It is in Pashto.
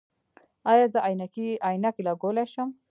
ایا زه عینکې لګولی شم؟